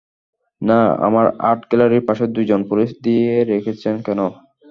না আমার আর্ট গ্যালারির পাশে দুজন পুলিশ দিয়ে রেখেছেন কেন?